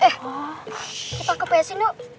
eh kita ke psi nok